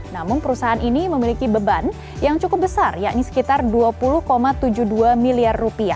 namun perusahaan ini memiliki beban yang cukup besar yakni sekitar rp dua puluh tujuh puluh dua miliar